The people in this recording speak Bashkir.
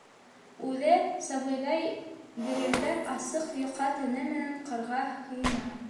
Үҙе, сабыйҙай дерелдәп, асыҡ йоҡа тәне менән ҡарға һыйына.